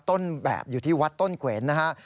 ต้นแบบอยู่ที่วัดต้นเกวนนะฮะ